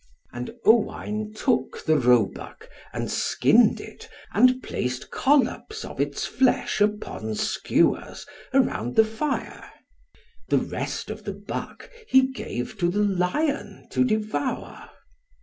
And Owain took the roebuck, and skinned it, and placed collops of its flesh upon skewers, around the fire. The rest of the buck he gave to the lion to devour.